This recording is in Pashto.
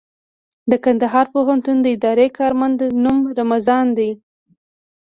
د کندهار پوهنتون د اداري کارمند نوم رمضان دئ.